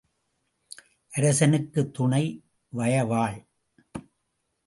அரசனுக்குத் துணை வயவாள்.